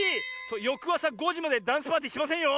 よくあさ５じまでダンスパーティーしませんよ！